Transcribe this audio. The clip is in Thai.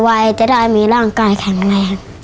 หายวัยจะได้มีร่างกายแข็งแรง